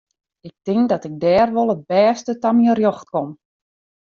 Ik tink dat ik dêr wol it bêste ta myn rjocht kom.